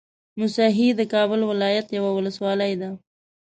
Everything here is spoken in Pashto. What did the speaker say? موسهي د کابل ولايت يوه ولسوالۍ ده